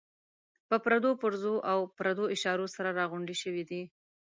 په پردو پرزو او پردو اشارو سره راغونډې شوې دي.